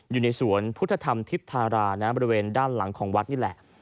อยู่ในสวนพุทธธรรมทิพย์ธารานะบริเวณด้านหลังของวัดนี่แหละ